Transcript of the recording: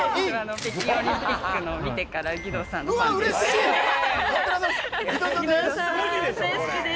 北京オリンピックを見てから義堂さんのファンです。